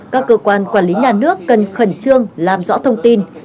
các cơ quan quản lý nhà nước cần khẩn trương làm rõ thông tin